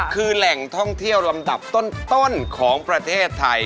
คือแหล่งท่องเที่ยวลำดับต้นของประเทศไทย